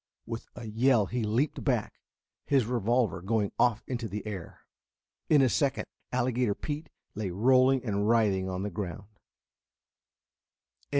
With a yell he leaped back, his revolver going off into the air. In a second Alligator Pete lay rolling and writhing on the ground.